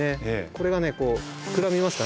これがね膨らみますか？